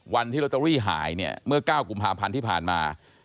วันที่ลอตเตอรี่หายเนี่ยเมื่อ๙กุมภาพันธ์ที่ผ่านมา